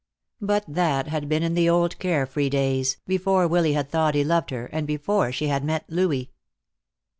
But that had been in the old care free days, before Willy had thought he loved her, and before she had met Louis.